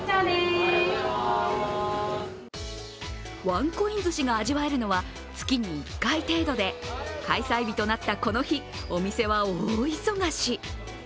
ワンコインずしが味わえるのは月に１回程度で開催日となったこの日お店は大忙し。